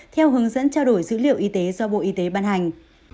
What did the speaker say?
theo hướng dẫn trao đổi dữ liệu y tế do bộ y tế ban hành